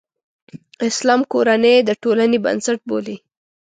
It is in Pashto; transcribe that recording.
اسلام کورنۍ د ټولنې بنسټ بولي.